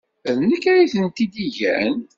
D nekk ay tent-id-igan.